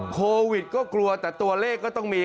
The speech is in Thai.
โควิดก็กลัวแต่ตัวเลขก็ต้องมี